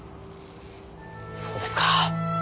そうですか。